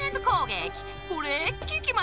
これききまっせ！